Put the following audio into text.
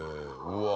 うわ。